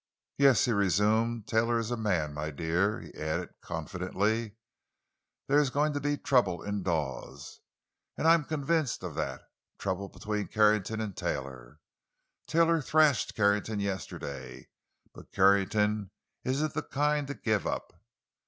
"Yes," he resumed, "Taylor is a man. My dear," he added confidentially, "there is going to be trouble in Dawes—I am convinced of that; trouble between Carrington and Taylor. Taylor thrashed Carrington yesterday, but Carrington isn't the kind to give up.